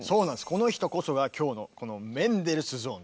この人こそが今日のこのメンデルスゾーンという。